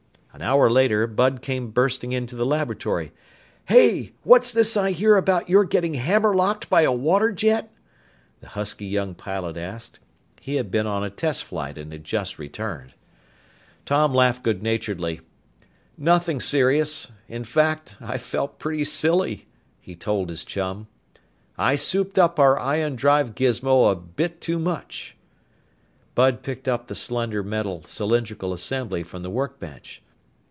An hour later Bud came bursting into the laboratory. "Hey! What's this I hear about your getting hammerlocked by a water jet?" the husky young pilot asked. He had been on a test flight and just returned. Tom laughed good naturedly. "Nothing serious. In fact, I felt pretty silly," he told his chum. "I souped up our ion drive gizmo a bit too much." Bud picked up the slender metal cylindrical assembly from the workbench.